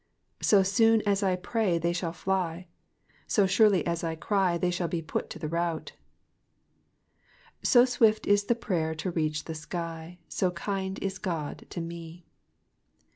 '* So soon as I pray they shall fly. So surely as I cry they shall be put to the rout. " So swift is prayer to reach the sky, So kind is God to me."